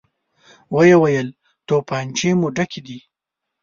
ويې ويل: توپانچې مو ډکې دي؟